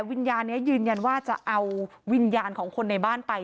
วิญญาณนี้ยืนยันว่าจะเอาวิญญาณของคนในบ้านไป